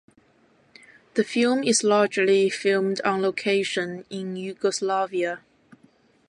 The film is largely filmed on location in Yugoslavia.